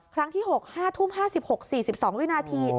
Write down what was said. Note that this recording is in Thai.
ครั้งที่๖๕ทุ่ม๕๖๔๒วินาที